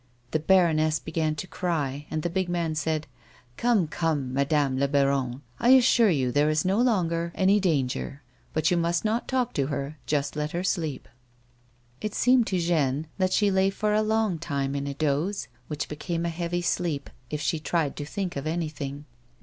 The baroness began to cry, and the big man said, " Come, come, madame la baronne ; I assure you there is no longer any danger, but you must not talk to her ; just let her sleep." It seemed to Jeanne that she lay for a long time in a doze, which became a heavy sleep if she tried to think of anything.